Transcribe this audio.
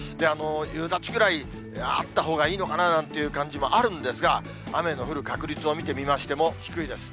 夕立ぐらいあったほうがいいのかなという感じもあるんですが、雨の降る確率を見てみましても低いです。